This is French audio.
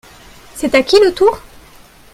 C'est à qui le tour ?